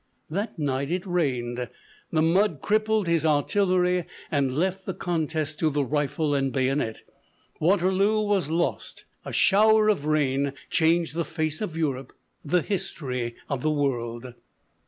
That night it rained. The mud crippled his artillery and left the contest to the rifle and bayonet. Waterloo was lost. A shower of rain changed the face of Europe the history of the world.